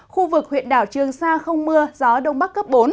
khu vực huyện đảo trường sa không mưa gió đông bắc cấp bốn